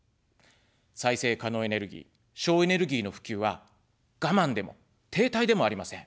再生可能エネルギー、省エネルギーの普及は我慢でも停滞でもありません。